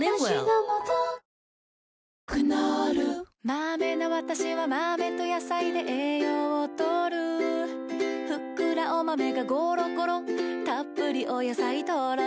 「マメな私は豆と野菜で栄養を摂る」「ふっくらお豆がゴロゴロ」「たっぷりお野菜トロトロ」